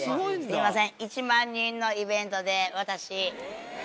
すいません。